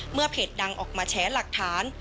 เมื่อเพจดังออกมาแฉลักฐาน